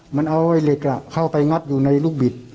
มันเอาไอ้เหล็กเข้าไปงัดอยู่ในลูกบิด